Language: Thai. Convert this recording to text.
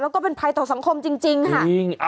แล้วก็เป็นภัยต่อสังคมจริงค่ะ